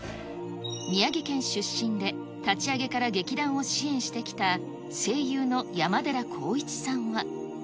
宮城県出身で、立ち上げから劇団を支援してきた声優の山寺宏一さんは。